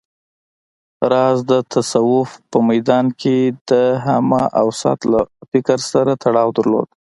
راز د تصوف په ميدان کې د همه اوست له فکر سره تړاو درلود